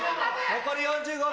残り４５秒。